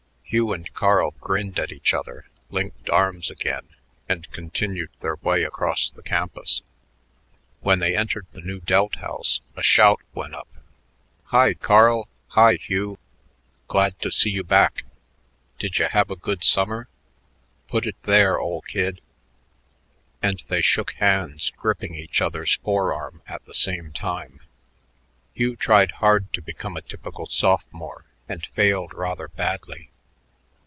Hugh and Carl grinned at each other, linked arms again, and continued their way across the campus. When they entered the Nu Delta house a shout went up. "Hi, Carl! Hi, Hugh! Glad to see you back. Didya have a good summer? Put it there, ol' kid" and they shook hands, gripping each other's forearm at the same time. Hugh tried hard to become a typical sophomore and failed rather badly.